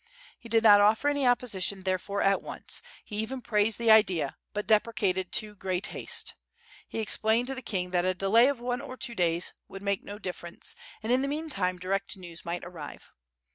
He did not offer any opposition therefore at once; he even praised the idea, but deprecated too great haste. He explained to the king that a delay of one or two days would make no difference, and in the meantime direct news might arrive.